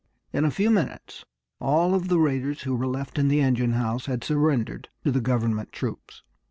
In a few minutes all of the raiders who were left in the engine house had surrendered to the government troops.